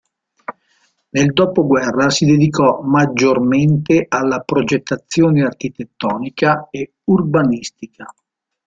Nel dopoguerra si dedicò maggiormente alla progettazione architettonica e urbanistica.